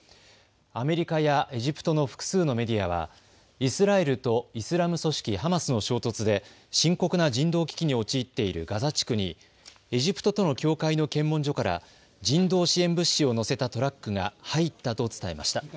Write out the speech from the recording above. アメリカやエジプトの複数のメディアはイスラエルとイスラム組織ハマスの衝突で深刻な人道危機に陥っているガザ地区にエジプトとの境界の検問所から人道支援物資を載せたトラックが入ったと伝えました。